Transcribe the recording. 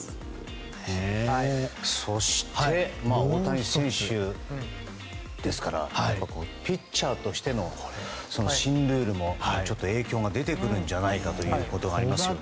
そして、大谷選手ですからピッチャーとしての新ルールも影響が出てくるんじゃないかということがありますね。